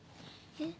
えっ？